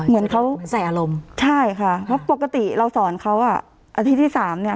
เหมือนเขาใส่อารมณ์ใช่ค่ะเพราะปกติเราสอนเขาอ่ะอาทิตย์ที่สามเนี้ย